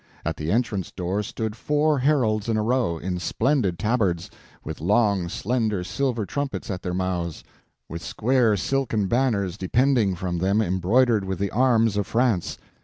At the entrance door stood four heralds in a row, in splendid tabards, with long slender silver trumpets at their mouths, with square silken banners depending from them embroidered with the arms of France.